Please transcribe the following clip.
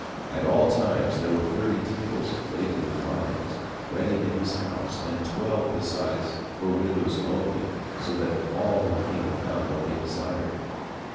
At all times there were thirty tables laden with viands ready in his house, and twelve besides for widows only, so that all who came found what they desired.